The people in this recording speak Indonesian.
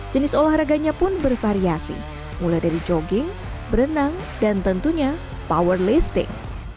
jenis olahraganya pun bervariasi mulai dari jogging berenang dan tentunya power lifting